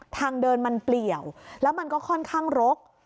ทางเดินมันเปลี่ยวแล้วมันก็ค่อนข้างรก